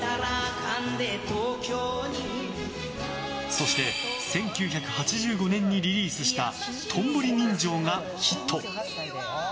そして１９８５年にリリースした「道頓堀人情」がヒット。